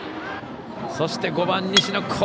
そして５番、西野。